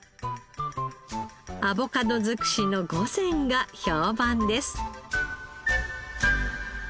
アボカド尽くしの御膳が評判です。